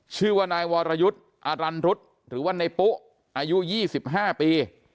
ชื่อว่านายวรยุทธ์อรันรุษหรือว่าในปุ๊อายุ๒๕ปี